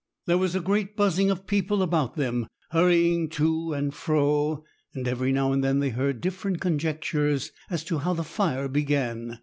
There was a great buzzing of people about them, hurrying to and fro; and every now and then they heard different conjectures as to how the fire began.